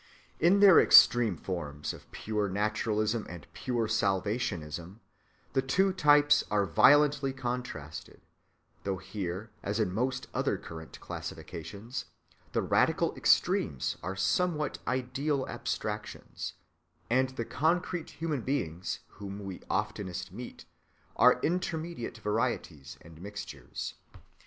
In their extreme forms, of pure naturalism and pure salvationism, the two types are violently contrasted; though here as in most other current classifications, the radical extremes are somewhat ideal abstractions, and the concrete human beings whom we oftenest meet are intermediate varieties and mixtures.